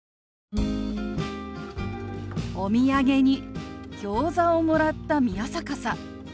お土産にギョーザをもらった宮坂さん。